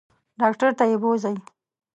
ډاکټر ته یې بوزئ.